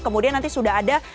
kemudian nanti sudah ada